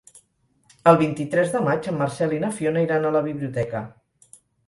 El vint-i-tres de maig en Marcel i na Fiona iran a la biblioteca.